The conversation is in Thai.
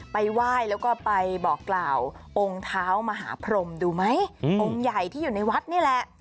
ไปไหว้แล้วก็ไปบอกกล่าวองค์เท้ามหาพรมดูไหมองค์ใหญ่ที่อยู่ในวัดนี่แหละ